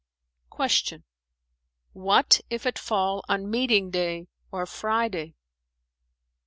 Q "What if it fall on Meeting Day or Friday?"